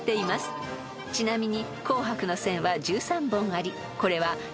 ［ちなみに］